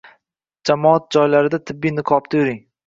jamoat joylarida tibbiy niqobda yuring